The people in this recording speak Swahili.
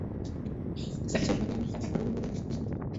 Safisha vitunguu na kuvikata vidogo vidogo na kuvitenga pembeni